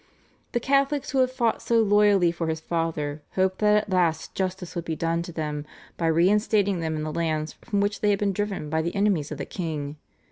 The Catholics who had fought so loyally for his father hoped that at last justice would be done to them by re instating them in the lands from which they had been driven by the enemies of the king.